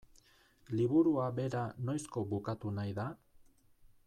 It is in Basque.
Liburua bera noizko bukatu nahi da?